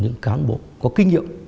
những cán bộ có kinh nghiệm